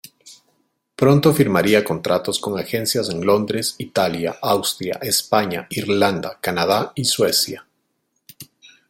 Pronto firmaría contratos con agencias en Londres, Italia, Austria, España, Irlanda, Canadá y Suecia.